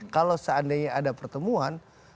kalau seandainya ada pertemuan